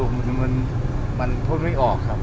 มันพูดไม่ออกครับ